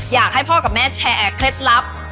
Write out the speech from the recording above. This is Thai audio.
อยากให้พ่อกับแม่แชร์เคล็ดลับ